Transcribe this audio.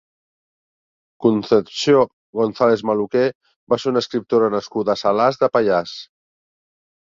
Concepció González Maluquer va ser una escriptora nascuda a Salàs de Pallars.